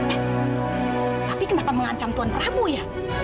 eh tapi kenapa mengancam tuhan prabu ya